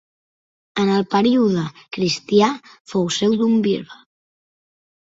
En el període cristià fou seu d'un bisbe.